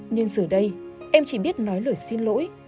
nhưng giờ đây em chỉ biết nói lời xin lỗi